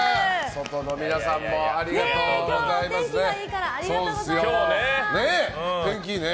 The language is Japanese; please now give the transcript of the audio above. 外の皆さんもありがとうございますね。